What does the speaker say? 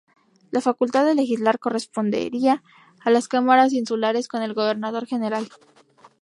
La facultad de legislar correspondería a las Cámaras insulares con el Gobernador General.